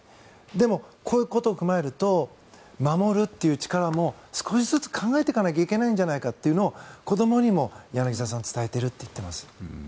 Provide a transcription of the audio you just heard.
でも、こういうことを踏まえると守るという力も少しずつ考えなきゃいけないんじゃないかというのを子どもにも柳澤さん伝えていくと言っています。